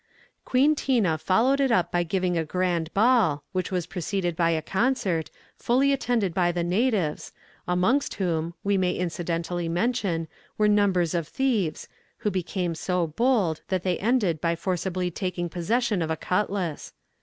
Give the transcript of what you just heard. ] Queen Tina followed it up by giving a grand ball, which was preceded by a concert, fully attended by the natives, amongst whom, we may incidentally mention, were numbers of thieves, who became so bold that they ended by forcibly taking possession of a cutlas.